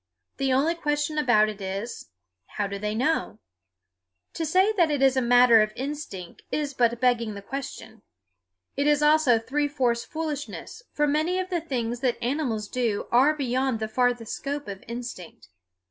The only question about it is, How do they know? To say it is a matter of instinct is but begging the question. It is also three fourths foolishness, for many of the things that animals do are beyond the farthest scope of instinct.